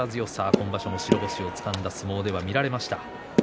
今場所も白星をつかんだ相撲では見られました。